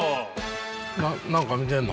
何か見てんの？